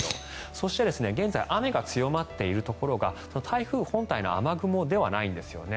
そして、現在雨が強まっているところが台風本体の雨雲ではないんですよね。